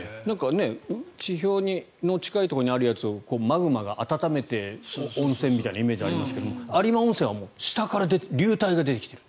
地表の近いところにあるやつをマグマが温めて温泉みたいなイメージがありますが有馬温泉は下から流体が出てきていると。